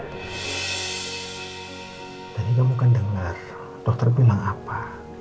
tadi kamu kan dengar dokter bilang apa